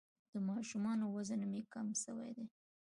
د ماشوم وزن مي کم سوی دی.